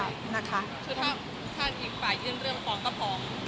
คือถ้าอีกฝ่ายยื่นเรื่องฟ้องก็ฟ้อง